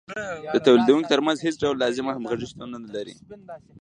د تولیدونکو ترمنځ هېڅ ډول لازمه همغږي شتون نلري